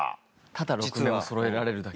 ただ６面をそろえられるだけ。